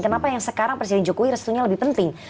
kenapa yang sekarang presiden jokowi restunya lebih penting